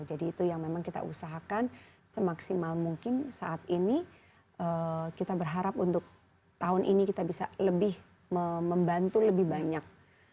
jadi itu yang memang kita usahakan semaksimal mungkin saat ini kita berharap untuk tahun ini kita bisa lebih membantu lebih banyak